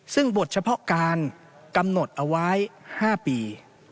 ซึ่งบทเฉพาะการกำหนดเอาไว้๕ปี